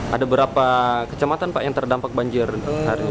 ada berapa kecamatan pak yang terdampak banjir hari ini